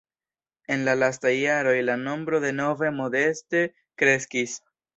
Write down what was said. En la lastaj jaroj la nombro de nove modeste kreskis.